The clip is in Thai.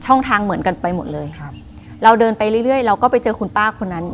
ทางเหมือนกันไปหมดเลยครับเราเดินไปเรื่อยเรื่อยเราก็ไปเจอคุณป้าคนนั้น